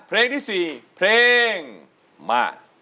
เพลงที่๔เพลงมา